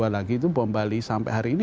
dua ribu dua lagi itu bombali sampai hari ini